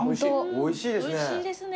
おいしいですね。